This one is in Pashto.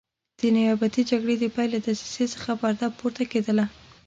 د نیابتي جګړې د پیل له دسیسې څخه پرده پورته کېدله.